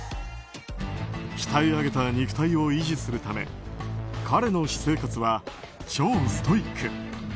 鍛え上げた肉体を維持するため彼の私生活は超ストイック。